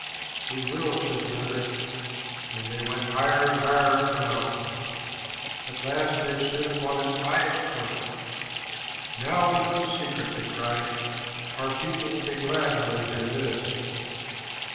"We will," said the other, and they went higher and higher up the mountain. At last they stood upon its highest point. "Now we know the secret," they cried. "Our people will be glad when they hear this."